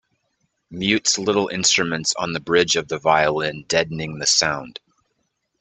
Mutes little instruments on the bridge of the violin, deadening the sound